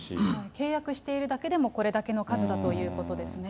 契約しているだけでもこれだけの数だということですね。